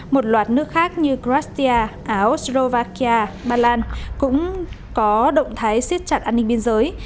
một loạt nước khác như kratia áo slovakia bà lan cũng có động thái siết chặt an ninh biên giới